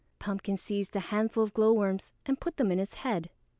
Pumpkin seized a handful of glowworms and put them in his head.